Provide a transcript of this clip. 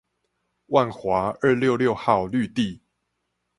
萬華二六六號綠地